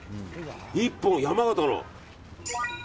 １本、山形の。